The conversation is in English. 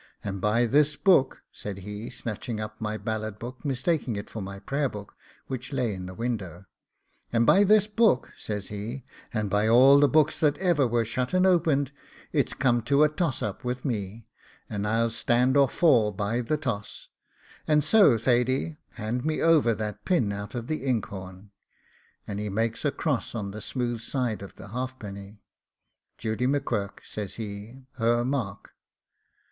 'And by this book,' said he, snatching up my ballad book, mistaking it for my prayer book, which lay in the window, 'and by this book,' says he, 'and by all the books that ever were shut and opened, it's come to a toss up with me, and I'll stand or fall by the toss; and so Thady, hand me over that pin out of the ink horn;' and he makes a cross on the smooth side of the halfpenny; 'Judy M'Quirk,' says he, 'her mark.